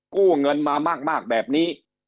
กู้เงินมามากแบบนี้